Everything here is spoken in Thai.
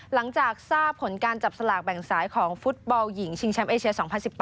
หลังจากทราบผลการจับสลากแบ่งสายของฟุตบอลหญิงชิงแชมป์เอเชีย๒๐๑๘